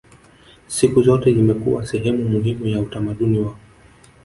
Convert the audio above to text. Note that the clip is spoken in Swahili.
Siku zote imekuwa sehemu muhimu ya utamaduni wao